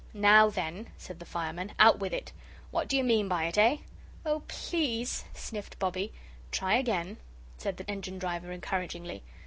"Now, then," said the fireman, "out with it. What do you mean by it, eh?" "Oh, please," sniffed Bobbie. "Try again," said the engine driver, encouragingly.